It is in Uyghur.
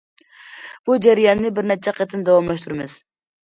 بۇ جەرياننى بىر نەچچە قېتىم داۋاملاشتۇرىمىز.